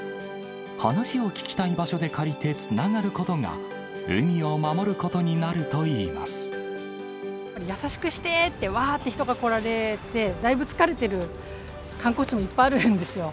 話を聞きたい場所で借りて、つながることが、海を守ることに優しくしてって、わーって人が来られて、だいぶ疲れてる観光地もいっぱいあるんですよ。